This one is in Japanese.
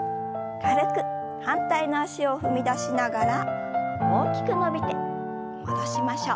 反対の脚を踏み出しながら大きく伸びて戻しましょう。